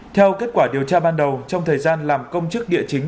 theo kết quả điều tra ban đầu trong thời gian làm công chức địa chính